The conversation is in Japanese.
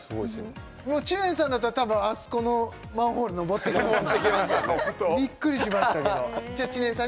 もう知念さんだったら多分あそこのマンホールのぼってきますね